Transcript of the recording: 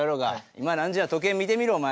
今何時や時計見てみろお前。